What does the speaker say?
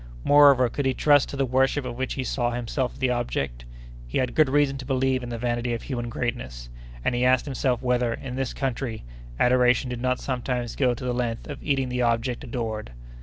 Moreover, could he trust to the worship of which he saw himself the object? He had good reason to believe in the vanity of human greatness; and he asked himself whether, in this country, adoration did not sometimes go to the length of eating the object adored!